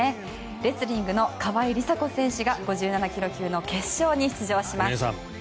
レスリングの川井梨紗子選手が５７ｋｇ級の決勝に出場します。